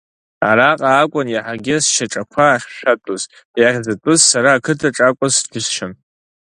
Араҟа акәын иаҳагьы сшьаҿақәа ахьшәатәыз, иахьӡатәыз, сара ақыҭаҿ акәыз џьысшьон.